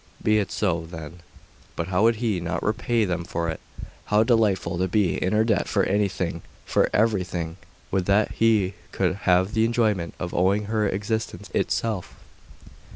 Be it so, then. But how would he not repay them for it! How delightful to be in her debt for anything for everything! Would that he could have the enjoyment of owing her existence itself!